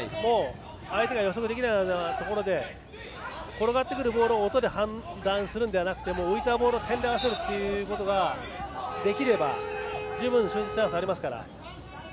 相手が予測できないようなところで転がってくるボールを音で判断するのではなくて浮いたボールを点で合わせることができれば十分、シュートチャンスはありますから。